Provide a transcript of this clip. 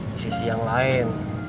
di sisi yang lain